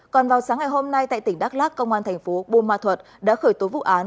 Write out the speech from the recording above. còn vào sáng ngày hôm nay tại tỉnh đắk lắc công an thành phố buôn ma thuật đã khởi tố vụ án